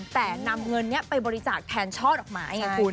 แต่นำเงินนี้ไปบริจาคแทนช่อดอกไม้ไงคุณ